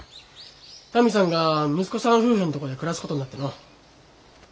タミさんが息子さん夫婦のとこで暮らすことになってのう。